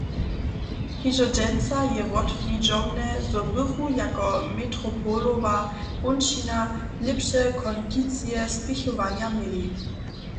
Hižo dźensa je wotwidźomne, zo bychu jako metropolowa kónčina lěpše kondicije spěchowanja měli.